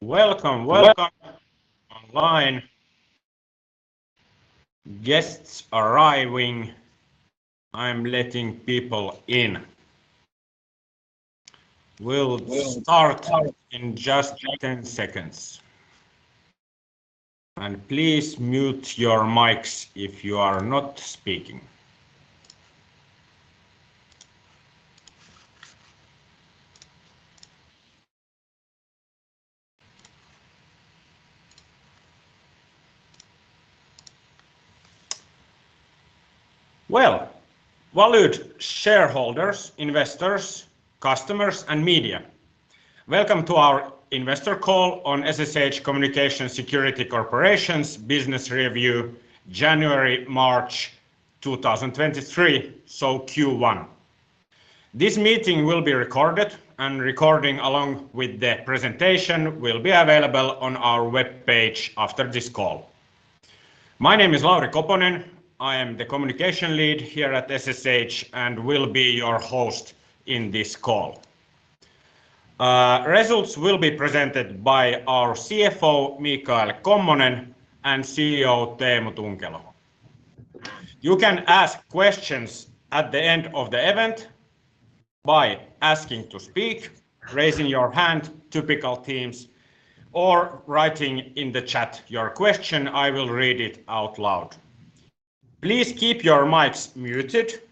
Welcome, welcome online. Guests arriving. I'm letting people in. We'll start in just 10 seconds. Please mute your mics if you are not speaking. Well, valued shareholders, investors, customers, and media, welcome to our investor call on SSH Communications Security Corporation's business review January-March 2023, so Q1. This meeting will be recorded, and recording along with the presentation will be available on our webpage after this call. My name is Lauri Koponen. I am the Communications Lead here at SSH and will be your host in this call. Results will be presented by our CFO, Mikael Kommonen, and CEO Teemu Tunkelo. You can ask questions at the end of the event by asking to speak, raising your hand, typical Teams, or writing in the chat your question. I will read it out loud. Please keep your mics muted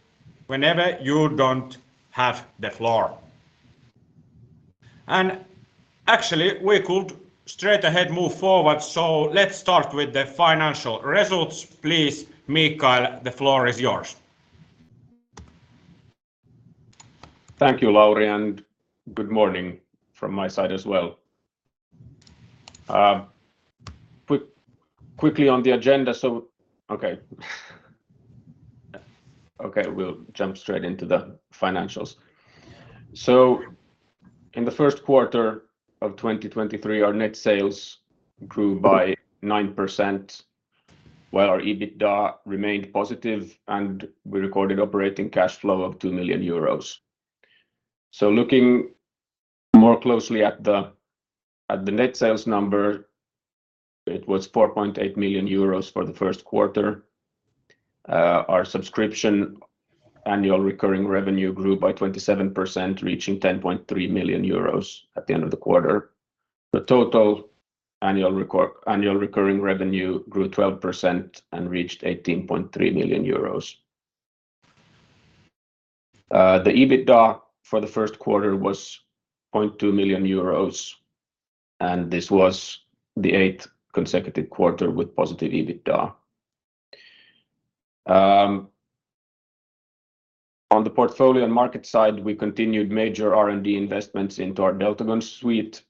whenever you don't have the floor. Actually, we could straight ahead move forward, let's start with the financial results. Please, Mikael, the floor is yours. Thank you, Lauri, and good morning from my side as well. Quickly on the agenda. Okay, we'll jump straight into the financials. In the first quarter of 2023, our net sales grew by 9% while our EBITDA remained positive, and we recorded operating cash flow of 2 million euros. Looking more closely at the net sales number, it was 4.8 million euros for the first quarter. Our subscription annual recurring revenue grew by 27%, reaching 10.3 million euros at the end of the quarter. The total annual recurring revenue grew 12% and reached 18.3 million euros. The EBITDA for the first quarter was 0.2 million euros, and this was the eighth consecutive quarter with positive EBITDA. On the portfolio and market side, we continued major R&D investments into our Deltagon Suite.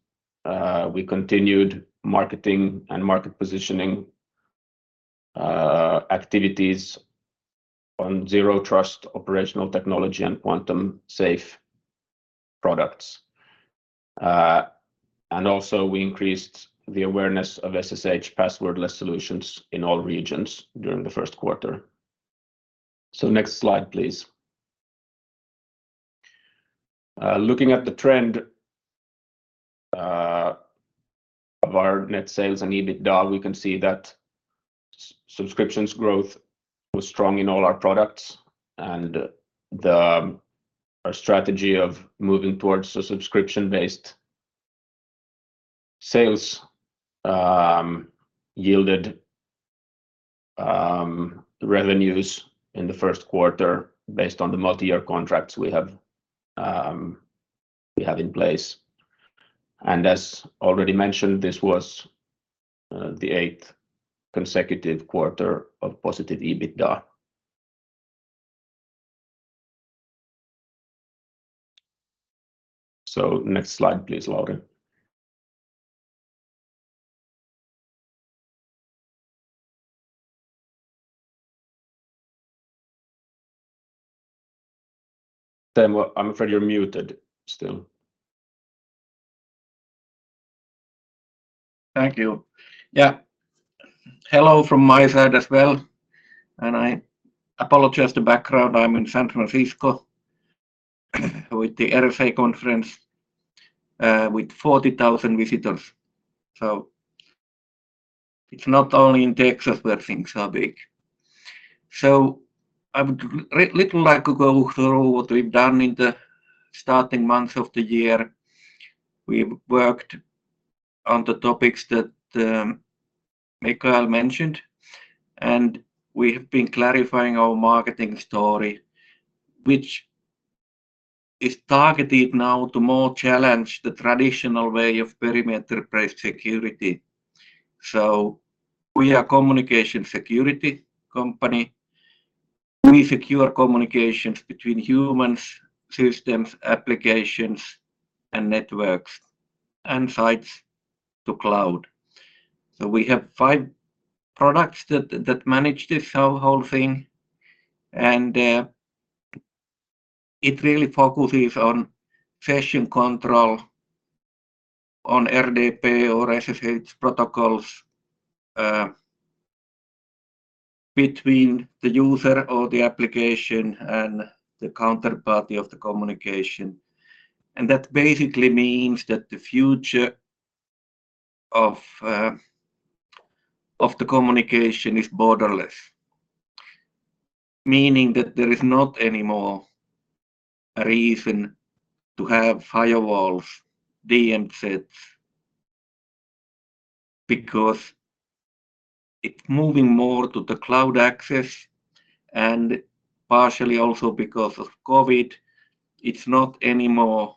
We continued marketing and market positioning activities on Zero Trust operational technology and Quantum-Safe products. Also we increased the awareness of SSH passwordless solutions in all regions during the first quarter. Next slide, please. Looking at the trend of our net sales and EBITDA, we can see that subscriptions growth was strong in all our products and our strategy of moving towards a subscription-based sales yielded revenues in the first quarter based on the multi-year contracts we have in place. As already mentioned, this was the eighth consecutive quarter of positive EBITDA. Next slide, please, Lauri. Teemu, I'm afraid you're muted still. Thank you. Yeah. Hello from my side as well. I apologize the background. I'm in San Francisco with the RSA Conference, with 40,000 visitors. It's not only in Texas where things are big. I would like to go through what we've done in the starting months of the year. We've worked on the topics that Mikael mentioned. We have been clarifying our marketing story, which is targeted now to more challenge the traditional way of perimeter-based security. We are communication security company. We secure communications between humans, systems, applications, and networks, and sites to cloud. We have five products that manage this whole thing, and it really focuses on session control on RDP or SSH protocols Between the user or the application and the counterparty of the communication. That basically means that the future of the communication is borderless, meaning that there is not any more reason to have firewalls, DMZs, because it's moving more to the cloud access, and partially also because of COVID, it's not anymore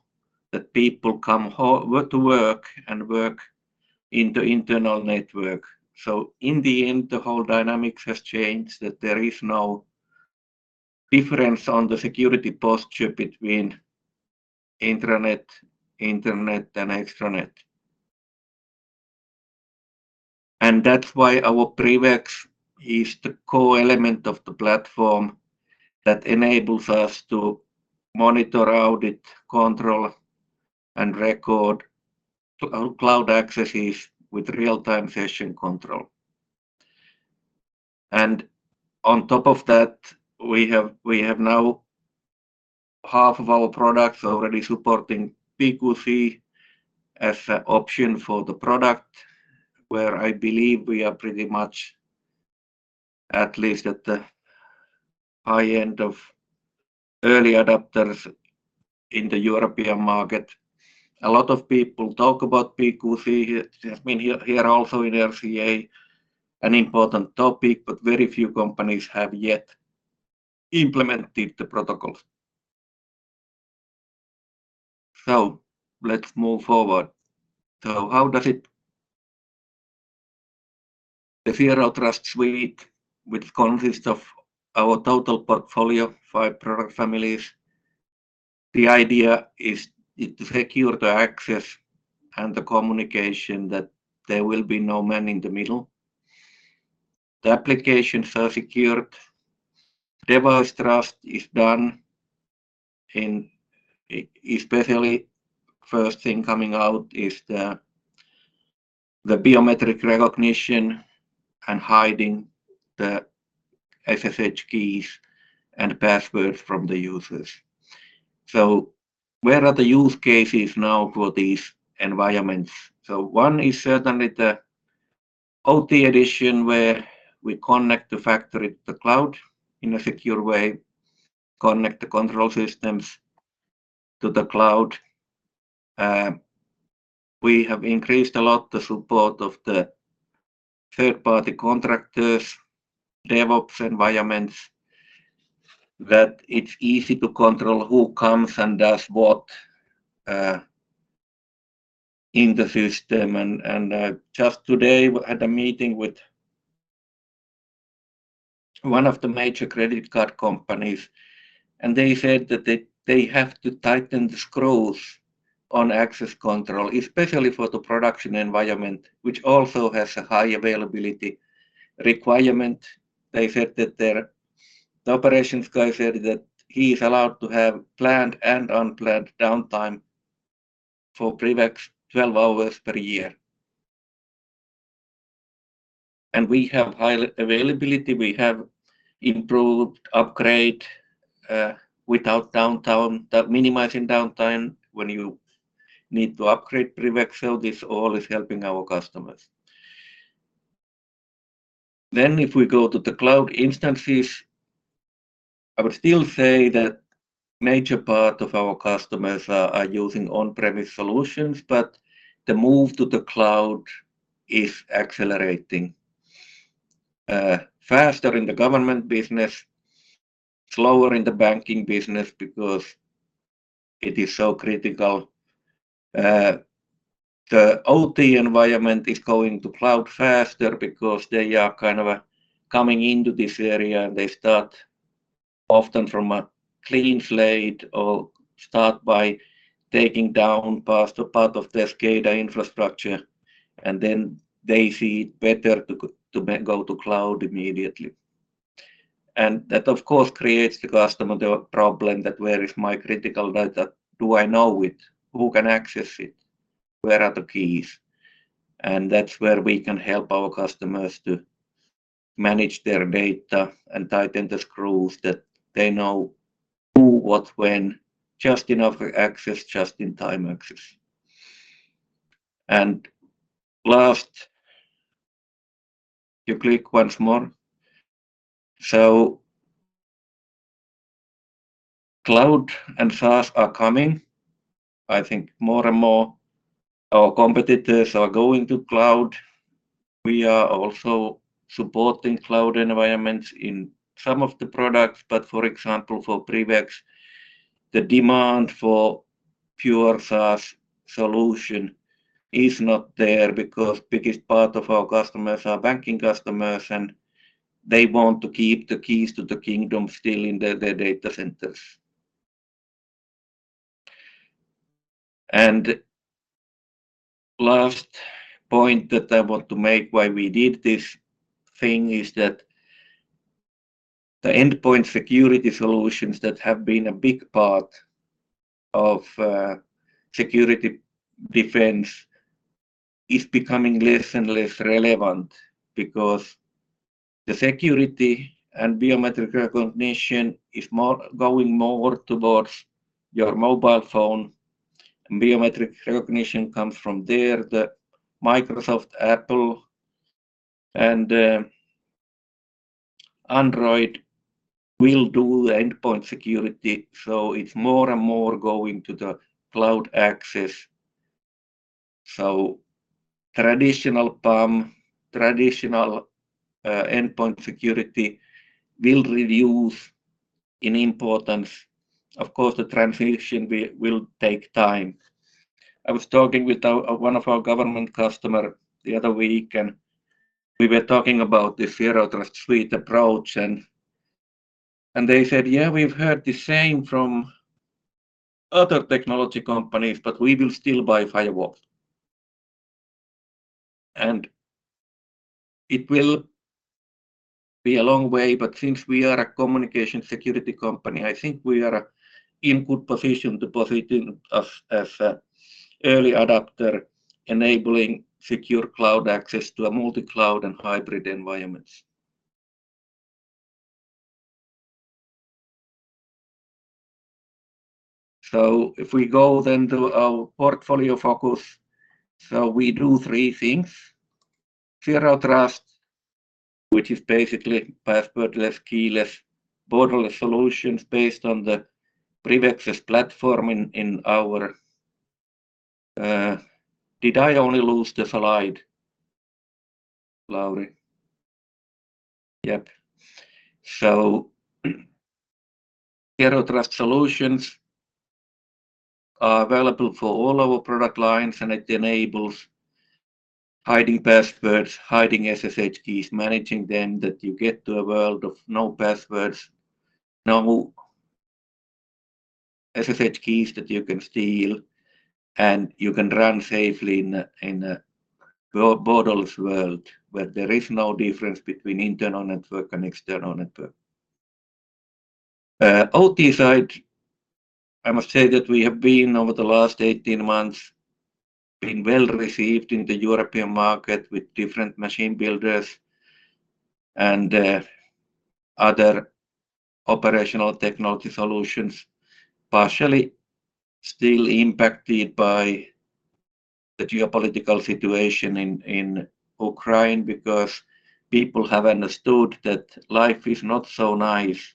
that people come to work and work in the internal network. In the end, the whole dynamics has changed, that there is no difference on the security posture between intranet, internet, and extranet. That's why our PrivX is the core element of the platform that enables us to monitor, audit, control, and record cloud accesses with real-time session control. On top of that, we have now half of our products already supporting PQC as a option for the product, where I believe we are pretty much at least at the high end of early adapters in the European market. A lot of people talk about PQC. It has been here also in RSA an important topic, very few companies have yet implemented the protocols. Let's move forward. How does the Zero Trust Suite, which consists of our total portfolio, five product families, the idea is it secure the access and the communication that there will be no man in the middle. The application for secured device trust is done especially first thing coming out is the biometric recognition and hiding the SSH keys and passwords from the users. Where are the use cases now for these environments? One is certainly the OT edition, where we connect the factory to cloud in a secure way, connect the control systems to the cloud. We have increased a lot the support of the third-party contractors, DevOps environments, that it's easy to control who comes and does what in the system. Just today, we had a meeting with one of the major credit card companies, and they said that they have to tighten the screws on access control, especially for the production environment, which also has a high availability requirement. They said that The operations guy said that he's allowed to have planned and unplanned downtime for PrivX 12 hours per year. We have high availability, we have improved upgrade, without downtown, minimizing downtime when you need to upgrade PrivX, so this all is helping our customers. If we go to the cloud instances, I would still say that major part of our customers are using on-premise solutions, but the move to the cloud is accelerating faster in the government business, slower in the banking business because it is so critical. The OT environment is going to cloud faster because they are kind of coming into this area, and they start often from a clean slate or start by taking down parts or part of their SCADA infrastructure, and then they see it better to go to cloud immediately. That of course creates the customer the problem that, "Where is my critical data? Do I know it? Who can access it? Where are the keys?" That's where we can help our customers to manage their data and tighten the screws that they know who, what, when, just enough access, just in time access. Last, you click once more. Cloud and SaaS are coming. I think more and more our competitors are going to cloud. We are also supporting cloud environments in some of the products, but for example, for PrivX, the demand for pure SaaS solution is not there because biggest part of our customers are banking customers, and they want to keep the keys to the kingdom still in their data centers. Last point that I want to make why we did this thing is that. The endpoint security solutions that have been a big part of security defense is becoming less and less relevant because the security and biometric recognition is going more towards your mobile phone. Biometric recognition comes from there. The Microsoft, Apple, and Android will do the endpoint security. It's more and more going to the cloud access. Traditional PAM, traditional endpoint security will reduce in importance. Of course, the transition will take time. I was talking with one of our government customer the other week, and we were talking about the Zero Trust Suite approach. They said, "Yeah, we've heard the same from other technology companies, we will still buy firewall." It will be a long way, since we are a communications security company, I think we are in good position to position as a early adapter enabling secure cloud access to a multi-cloud and hybrid environments. If we go then to our portfolio focus, we do three things. Zero Trust, which is basically passwordless, keyless, borderless solutions based on the PrivX platform in our... Did I only lose the slide, Lauri? Yep. Zero Trust solutions are available for all our product lines, and it enables hiding passwords, hiding SSH keys, managing them, that you get to a world of no passwords, no SSH keys that you can steal, and you can run safely in a borderless world where there is no difference between internal network and external network. OT side, I must say that we have been, over the last 18 months, been well received in the European market with different machine builders and other operational technology solutions, partially still impacted by the geopolitical situation in Ukraine because people have understood that life is not so nice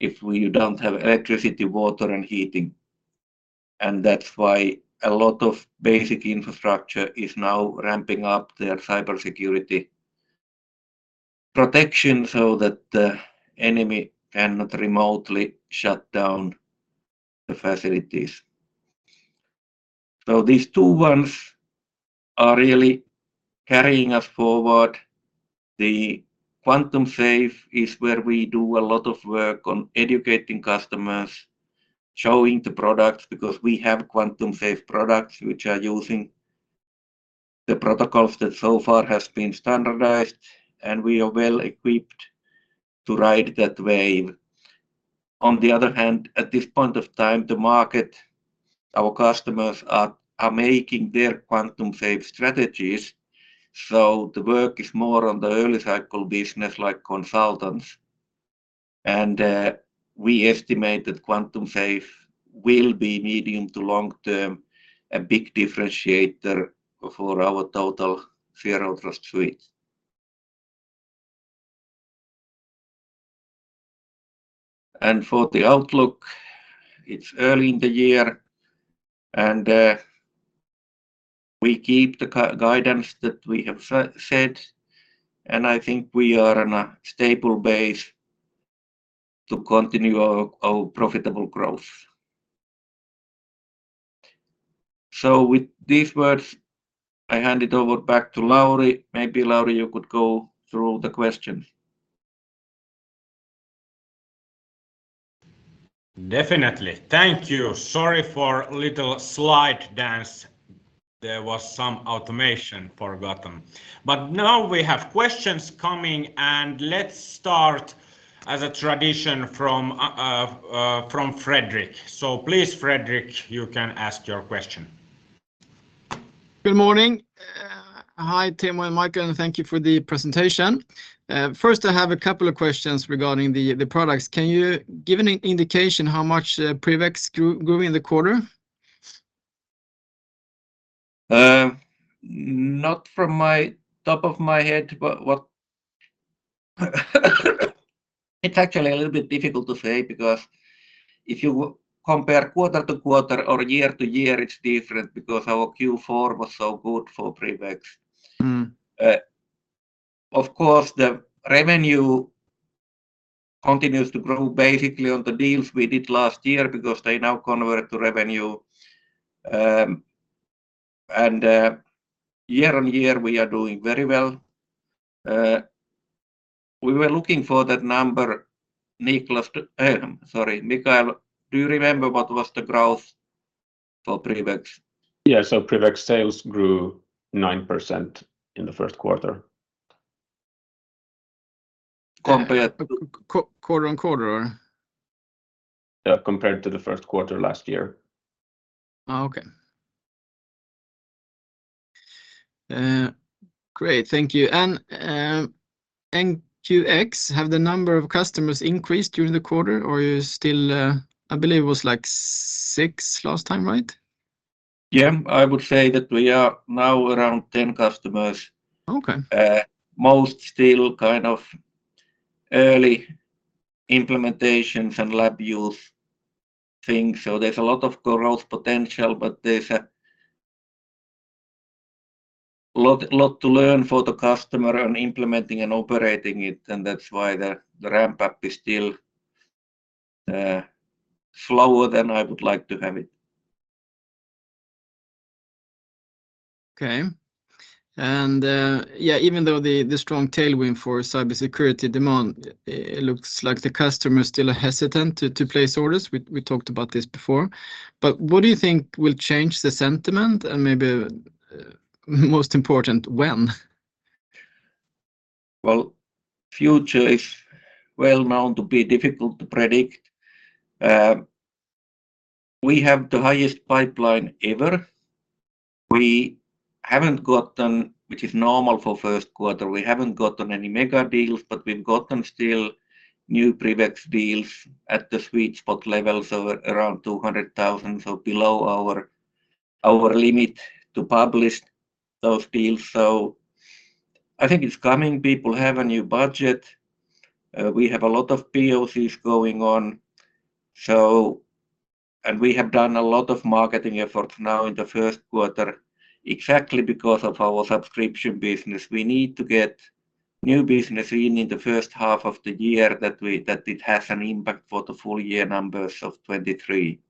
if we don't have electricity, water, and heating. That's why a lot of basic infrastructure is now ramping up their cybersecurity protection so that the enemy cannot remotely shut down the facilities. These two ones are really carrying us forward. The Quantum-Safe is where we do a lot of work on educating customers, showing the products, because we have Quantum-Safe products which are using the protocols that so far has been standardized, and we are well equipped to ride that wave. At this point of time, the market, our customers are making their Quantum-Safe strategies. The work is more on the early cycle business like consultants. We estimate that Quantum-Safe will be medium to long-term a big differentiator for our total Zero Trust Suite. For the outlook, it's early in the year, and we keep the co-guidance that we have said, and I think we are on a stable base to continue our profitable growth. With these words, I hand it over back to Lauri. Maybe Lauri, you could go through the questions. Definitely. Thank you. Sorry for little slide dance. There was some automation forgotten. Now we have questions coming, and let's start as a tradition from Fredrik. Please, Fredrik, you can ask your question. Good morning. Hi, Teemu and Mikael, and thank you for the presentation. First, I have a couple of questions regarding the products. Can you give an indication how much PrivX grew in the quarter? Not from my top of my head. It's actually a little bit difficult to say because if you compare quarter-to-quarter or year-to-year, it's different because our Q4 was so good for PrivX. Mm. Of course, the revenue continues to grow basically on the deals we did last year because they now convert to revenue. Year-over-year, we are doing very well. We were looking for that number, Niklas. Sorry, Mikael, do you remember what was the growth-For PrivX? Yeah, PrivX sales grew 9% in the first quarter. Complete- Quarter-on-quarter or? Yeah, compared to the first quarter last year. Okay. Great. Thank you. NQX, have the number of customers increased during the quarter, or are you still... I believe it was, like, six last time, right? Yeah. I would say that we are now around 10 customers. Okay. Most still kind of early implementations and lab use things, so there's a lot of growth potential, but there's a lot to learn for the customer on implementing and operating it, and that's why the ramp up is still slower than I would like to have it. Okay. Yeah, even though the strong tailwind for cybersecurity demand, it looks like the customers still are hesitant to place orders. We talked about this before, but what do you think will change the sentiment, and maybe most important, when? Well, future is well-known to be difficult to predict. We have the highest pipeline ever. We haven't gotten, which is normal for first quarter, we haven't gotten any mega deals, but we've gotten still new PrivX deals at the sweet spot levels of around 200,000, so below our limit to publish those deals. I think it's coming. People have a new budget. We have a lot of POCs going on. We have done a lot of marketing efforts now in the first quarter exactly because of our subscription business. We need to get new business in the first half of the year that it has an impact for the full year numbers of 2023.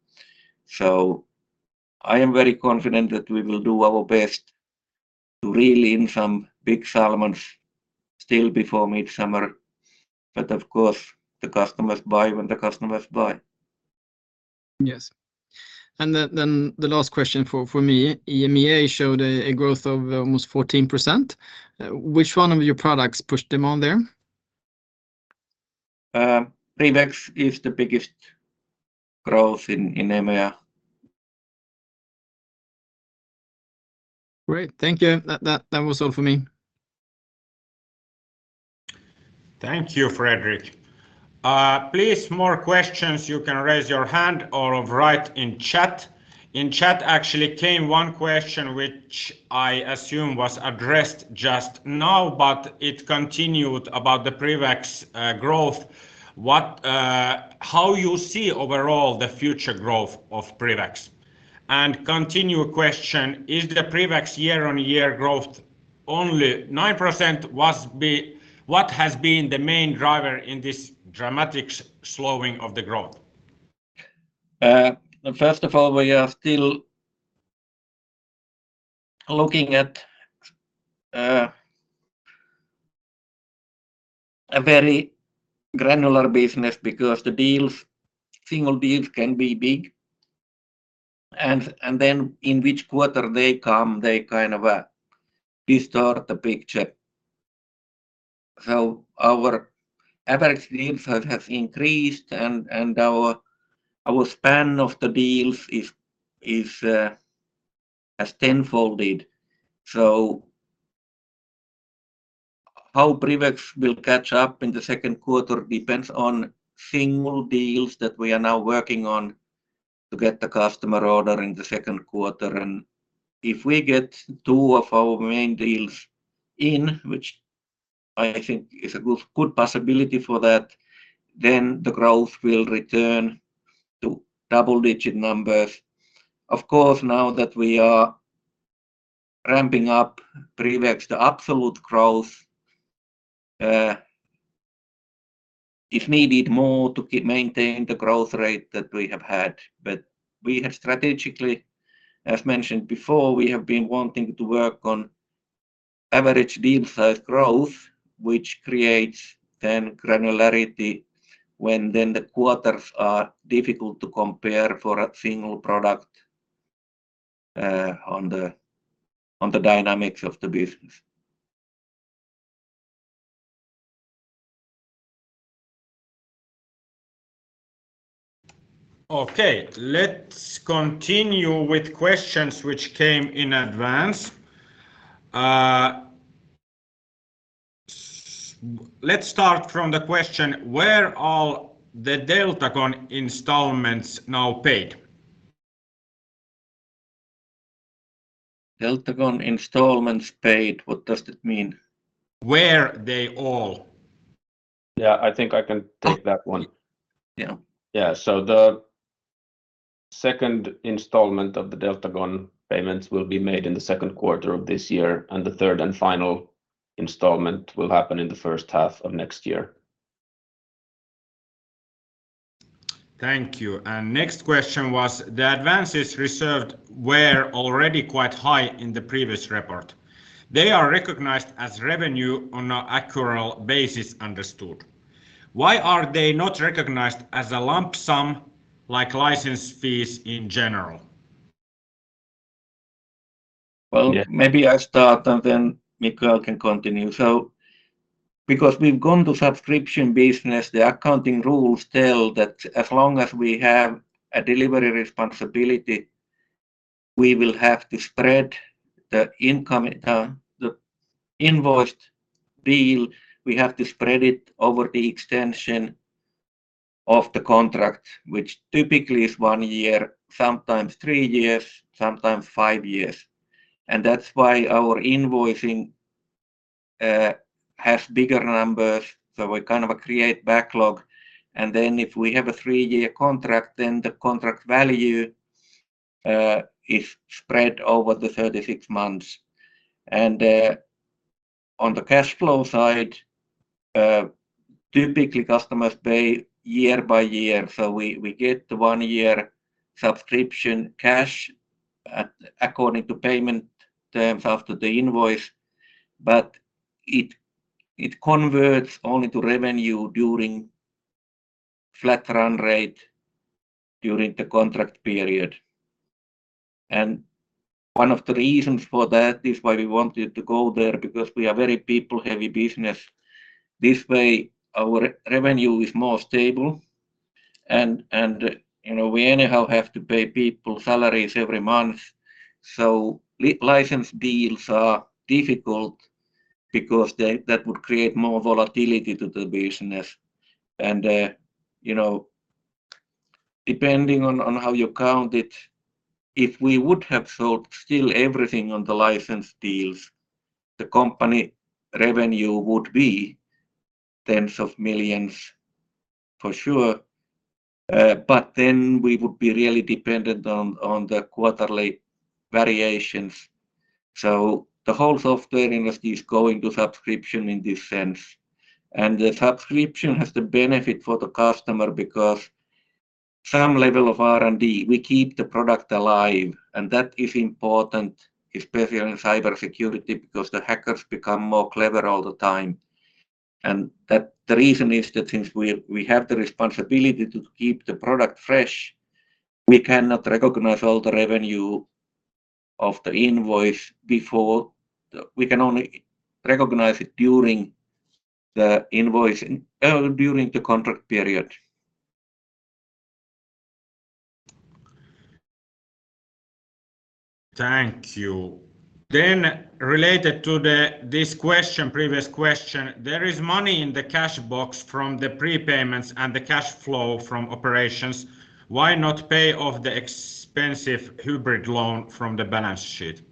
I am very confident that we will do our best to reel in some big salmons still before midsummer. Of course, the customers buy when the customers buy. Yes. Then the last question for me. EMEA showed a growth of almost 14%. Which one of your products pushed demand there? PrivX is the biggest growth in EMEA. Great. Thank you. That was all for me. Thank you, Fredrik. Please, more questions, you can raise your hand or write in chat. In chat actually came one question which I assume was addressed just now, but it continued about the PrivX growth. What, how you see overall the future growth of PrivX? Continue question, is the PrivX year-on-year growth only 9%? What has been the main driver in this dramatic slowing of the growth? First of all, we are still looking at a very granular business because the deals, single deals can be big and then in which quarter they come, they kind of distort the picture. Our average deal size has increased and our span of the deals is has tenfolded. How PrivX will catch up in the second quarter depends on single deals that we are now working on to get the customer order in the second quarter. If we get two of our main deals in, which I think is a good possibility for that, then the growth will return to double-digit numbers. Of course, now that we are ramping up PrivX, the absolute growth is needed more to keep maintaining the growth rate that we have had. We have strategically, as mentioned before, we have been wanting to work on average deal size growth, which creates then granularity when then the quarters are difficult to compare for a single product, on the, on the dynamics of the business. Okay. Let's continue with questions which came in advance. Let's start from the question: Where are the Deltagon installments now paid? Deltagon installments paid, what does it mean? Where they all? Yeah, I think I can take that one. Yeah. Yeah. The second installment of the Deltagon payments will be made in the second quarter of this year, and the third and final installment will happen in the first half of next year. Thank you. Next question was, the advances reserved were already quite high in the previous report. They are recognized as revenue on a accrual basis, understood. Why are they not recognized as a lump sum like license fees in general? Well, maybe I start and then Mikael can continue. Because we've gone to subscription business, the accounting rules tell that as long as we have a delivery responsibility, we will have to spread the income, the invoiced deal, we have to spread it over the extension of the contract, which typically is 1 year, sometimes 3 years, sometimes 5 years. That's why our invoicing has bigger numbers. We kind of create backlog, if we have a 3-year contract, the contract value is spread over the 36 months. On the cash flow side, typically customers pay year-by-year. We get the 1-year subscription cash according to payment terms after the invoice, but it converts only to revenue during flat run rate during the contract period. One of the reasons for that is why we wanted to go there, because we are very people-heavy business. This way our revenue is more stable, you know, we anyhow have to pay people salaries every month. License deals are difficult because that would create more volatility to the business. You know, depending on how you count it, if we would have sold still everything on the license deals, the company revenue would be EUR tens of millions for sure. We would be really dependent on the quarterly variations. The whole software industry is going to subscription in this sense, and the subscription has the benefit for the customer because some level of R&D, we keep the product alive, and that is important especially in cybersecurity because the hackers become more clever all the time. That the reason is that since we have the responsibility to keep the product fresh, we cannot recognize all the revenue of the invoice before. We can only recognize it during the invoice, during the contract period. Thank you. Related to this question, previous question, there is money in the cash box from the prepayments and the cash flow from operations. Why not pay off the expensive hybrid loan from the balance sheet?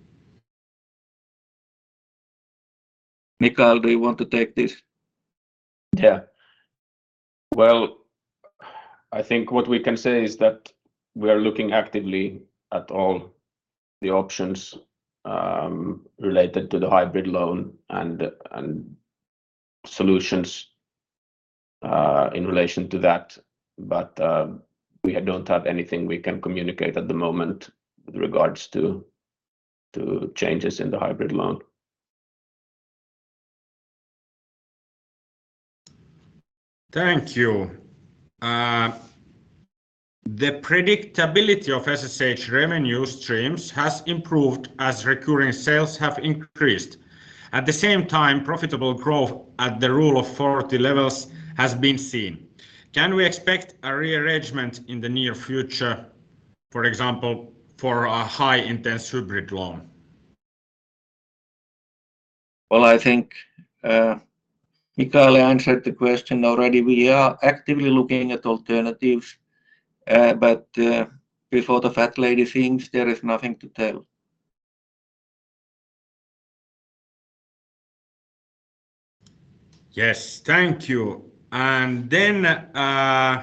Mikael, do you want to take this? Yeah. Well, I think what we can say is that we are looking actively at all the options, related to the hybrid loan and solutions, in relation to that. We don't have anything we can communicate at the moment with regards to changes in the hybrid loan. Thank you. The predictability of SSH revenue streams has improved as recurring sales have increased. At the same time, profitable growth at the Rule of 40 levels has been seen. Can we expect a rearrangement in the near future, for example, for a high-intenrest hybrid loan? Well, I think, Mikael answered the question already. We are actively looking at alternatives. Before the fat lady sings, there is nothing to tell. Yes. Thank you. I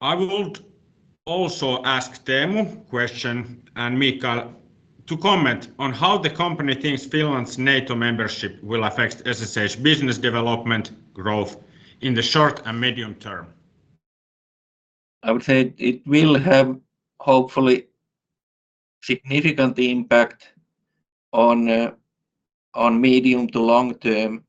would also ask Teemu question and Mikael to comment on how the company thinks Finland's NATO membership will affect SSH business development growth in the short and medium term. I would say it will have hopefully significant impact on medium to long term.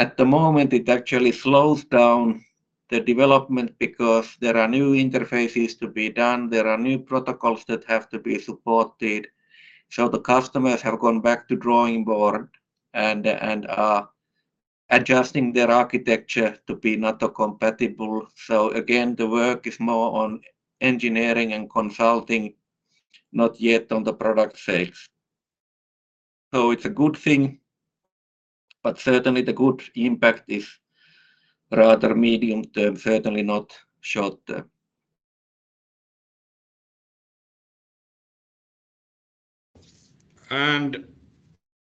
At the moment, it actually slows down the development because there are new interfaces to be done. There are new protocols that have to be supported. The customers have gone back to drawing board and are adjusting their architecture to be NATO compatible. Again, the work is more on engineering and consulting, not yet on the product sales. It's a good thing, but certainly the good impact is rather medium term, certainly not short term.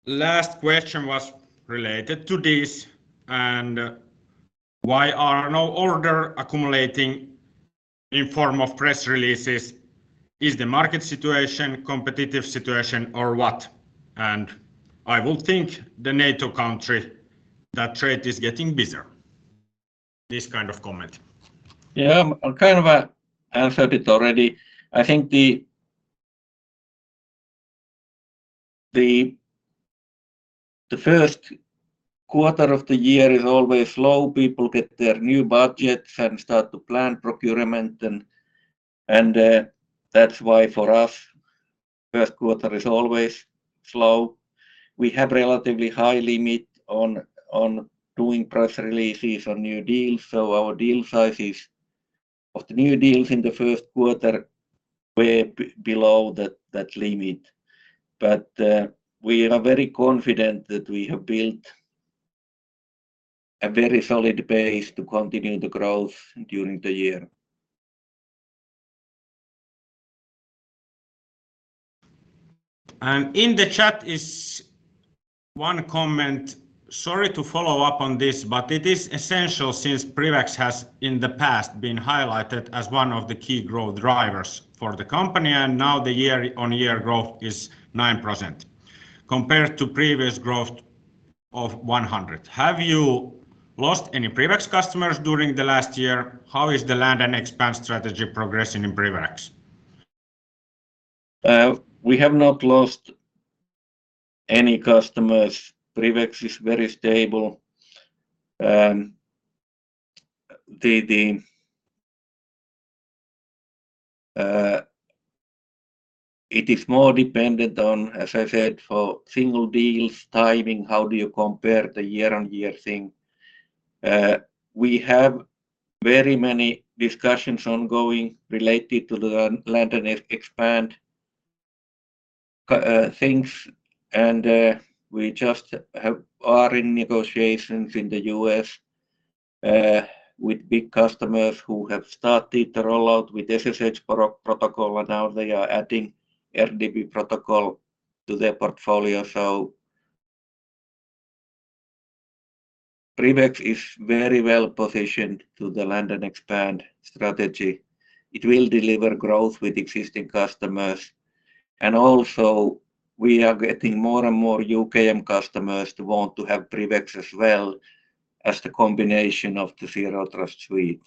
Last question was related to this and why are no order accumulating in form of press releases? Is the market situation competitive situation or what? I would think the NATO country, that trade is getting busier. This kind of comment. Yeah. I kind of answered it already. I think the first quarter of the year is always slow. People get their new budgets and start to plan procurement and, that's why for us first quarter is always slow. We have relatively high limit on doing press releases on new deals, so our deal sizes of the new deals in the first quarter were below that limit. We are very confident that we have built a very solid base to continue the growth during the year. In the chat is one comment. Sorry to follow up on this, but it is essential since PrivX has in the past been highlighted as one of the key growth drivers for the company, and now the year-over-year growth is 9% compared to previous growth of 100. Have you lost any PrivX customers during the last year? How is the land and expand strategy progressing in PrivX? We have not lost any customers. PrivX is very stable. It is more dependent on, as I said, for single deals timing, how do you compare the year-over-year thing? We have very many discussions ongoing related to the land and expand things, and we are in negotiations in the U.S., with big customers who have started the rollout with SSH protocol, and now they are adding RDP protocol to their portfolio. PrivX is very well positioned to the land and expand strategy. It will deliver growth with existing customers, and also we are getting more and more UKM customers to want to have PrivX as well as the combination of the Zero Trust Suite.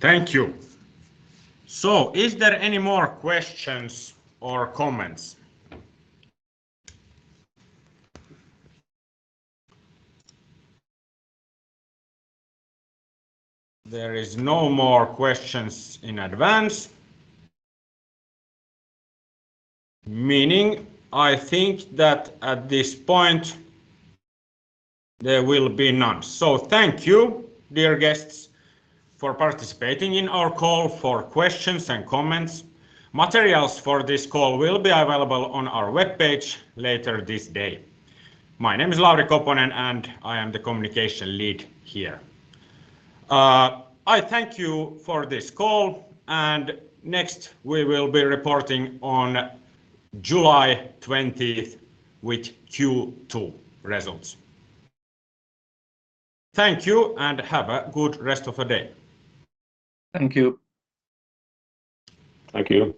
Thank you. Is there any more questions or comments? There is no more questions in advance. Meaning I think that at this point there will be none. Thank you, dear guests, for participating in our call, for questions and comments. Materials for this call will be available on our webpage later this day. My name is Lauri Koponen, and I am the communication lead here. I thank you for this call, and next we will be reporting on July 20th with Q2 results. Thank you, and have a good rest of the day. Thank you. Thank you.